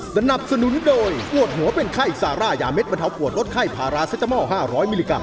สนับสนุนโดยปวดหัวเป็นไข้ซาร่ายาเด็ดบรรเทาปวดลดไข้พาราเซตามอล๕๐๐มิลลิกรั